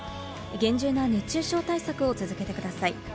厳重な熱中症対策を続けてください。